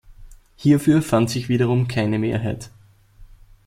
Hierfür fand sich wiederum keine Mehrheit.